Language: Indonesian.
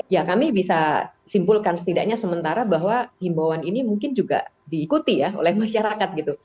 ya kami bisa simpulkan setidaknya sementara bahwa himbauan ini mungkin juga diikuti ya oleh masyarakat gitu